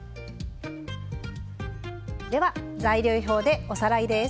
材料表でおさらいです。